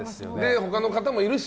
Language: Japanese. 他の方もいるし